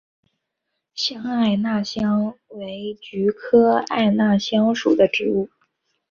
绿艾纳香为菊科艾纳香属的植物。